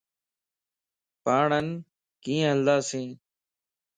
پاڻان ڪيئن ھلنداسين؟